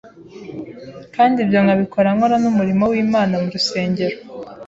kandi ibyo nkabikora nkora n’umurimo w’Imana mu rusengero